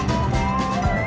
ini meneng dengan mudah saya